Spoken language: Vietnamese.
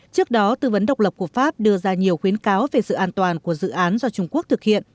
trước đó tư vấn độc lập của pháp đưa ra nhiều khuyến cáo về sự an toàn của dự án do trung quốc thực hiện